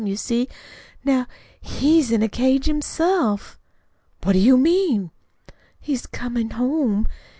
You see now he's in a cage himself." "What do you mean?" "He's coming home.